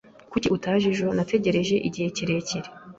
Kuki utaje ejo? Nategereje igihe kirekire.